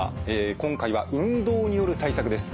今回は運動による対策です。